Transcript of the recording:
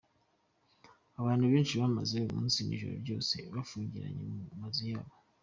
Abantu benshi bamaze umunsi n’ijoro ryose bifungiranye mu mazu yabo.